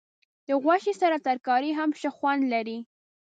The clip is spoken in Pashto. د غوښې سره ترکاري هم ښه خوند لري.